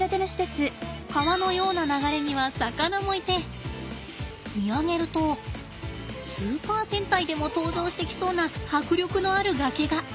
川のような流れには魚もいて見上げるとスーパー戦隊でも登場してきそうな迫力のある崖が。